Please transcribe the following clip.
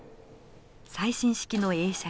最新式の映写機。